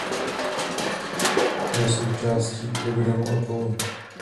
Byl součástí programu Apollo.